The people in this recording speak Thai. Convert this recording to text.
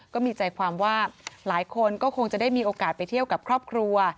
ก็มีใจความว่าหลายคนก็คงจะได้มีโอกาสไปเที่ยวกับครอบครัว